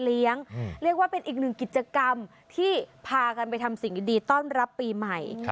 เรียกว่าเป็นอีกหนึ่งกิจกรรมที่พากันไปทำสิ่งดีต้อนรับปีใหม่